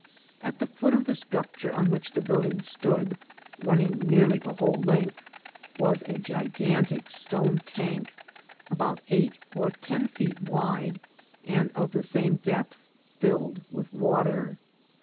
At the foot of the structure on which the building stood, running nearly the whole length, was a gigantic stone tank, about eight or ten feet wide, and of the same depth, filled with water.